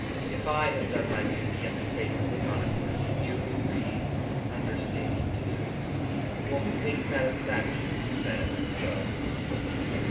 If I have done my duty as a faithful chronicler, you who read, understanding too, will take satisfaction in that it was so.